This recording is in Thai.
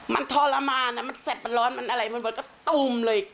มันทรมานมันแสบมันร้อนมันอะไรมันมันก็ตูมเลย